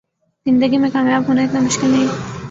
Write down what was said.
زندگی میں کامیاب ہونا اتنا مشکل نہیں